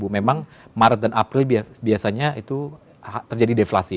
memang maret dan april biasanya itu terjadi deflasi